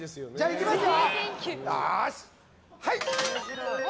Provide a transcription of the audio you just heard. いきますよ。